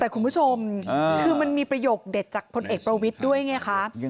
คือมันมีประโยคเด็ดจากคนเอกประวิทย์ด้วยไงค่ะ